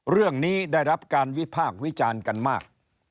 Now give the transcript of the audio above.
เรื่องนี้ได้รับการวิพากษ์วิจารณ์กันมาก